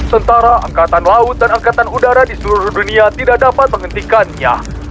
tentara angkatan laut dan angkatan udara di seluruh dunia tidak dapat menghentikannya